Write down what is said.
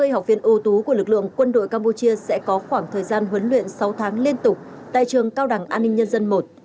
sáu mươi học viên ưu tú của lực lượng quân đội campuchia sẽ có khoảng thời gian huấn luyện sáu tháng liên tục tại trường cao đẳng an ninh nhân dân i